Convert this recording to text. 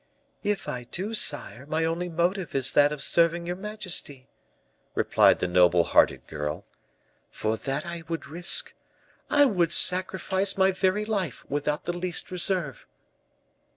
"If I do, sire, my only motive is that of serving your majesty," replied the noble hearted girl: "for that I would risk, I would sacrifice my very life, without the least reserve."